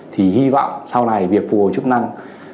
thì hy vọng sau này việc phù hồi chức năng